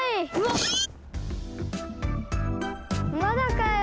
まだかよ。